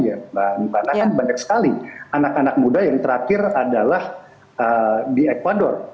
karena kan banyak sekali anak anak muda yang terakhir adalah di ecuador